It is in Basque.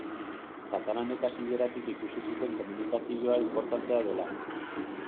Katalanek hasieratik ikusi zuten komunikazioa inportantea dela.